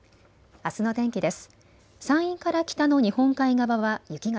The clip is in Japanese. あすの天気です。